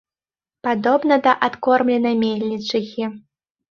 Падобна да адкормленай мельнічыхі.